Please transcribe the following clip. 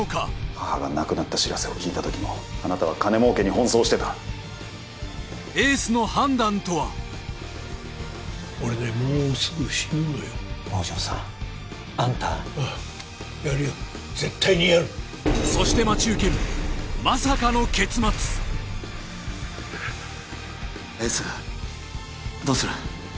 母が亡くなった知らせを聞いたときもあなたは金儲けに奔走してたエースの判断とは俺ねもうすぐ死ぬのよ坊城さんあんたああやるよ絶対にやるそして待ち受けるまさかの結末エースどうする？